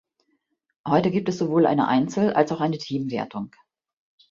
Heute gibt es sowohl eine Einzel- als auch eine Teamwertung.